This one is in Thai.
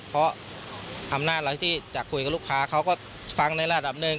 เพราะอำนาจอะไรที่จะคุยกับลูกค้าเขาก็ฟังในระดับหนึ่ง